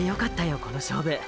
この勝負。